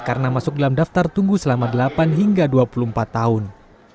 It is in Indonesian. karena masuk dalam daftar tunggu selama delapan hingga dua puluh empat tahun